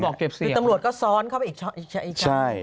หรือตำรวจก็ซ้อนเข้าไปอีกช้อน